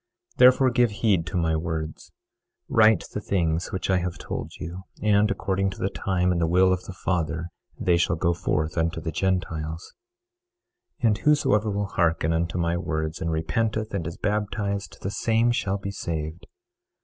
23:4 Therefore give heed to my words; write the things which I have told you; and according to the time and the will of the Father they shall go forth unto the Gentiles. 23:5 And whosoever will hearken unto my words and repenteth and is baptized, the same shall be saved.